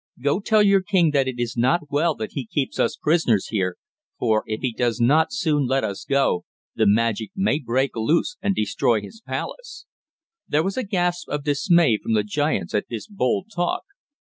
"Go tell your king that it is not well that he keeps us prisoners here, for if he does not soon let us go the magic may break loose and destroy his palace!" There was a gasp of dismay from the giants at this bold talk.